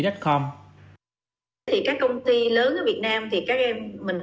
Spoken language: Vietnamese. các công ty lớn ở việt nam